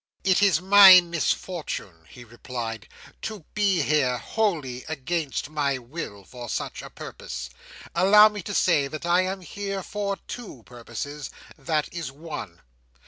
"It is my misfortune," he replied, "to be here, wholly against my will, for such a purpose. Allow me to say that I am here for two purposes. That is one."